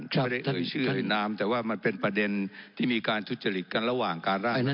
ไม่ได้เอ่ยชื่อเอ่ยนามแต่ว่ามันเป็นประเด็นที่มีการทุจริตกันระหว่างการร่าง